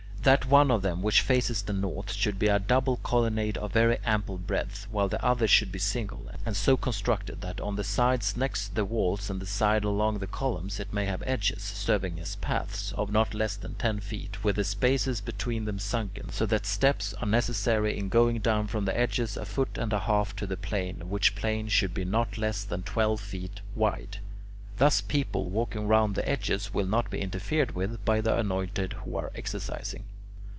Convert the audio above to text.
That one of them which faces the north should be a double colonnade of very ample breadth, while the other should be single, and so constructed that on the sides next the walls and the side along the columns it may have edges, serving as paths, of not less than ten feet, with the space between them sunken, so that steps are necessary in going down from the edges a foot and a half to the plane, which plane should be not less than twelve feet wide. Thus people walking round on the edges will not be interfered with by the anointed who are exercising.